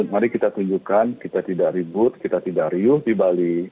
mari kita tunjukkan kita tidak ribut kita tidak riuh di bali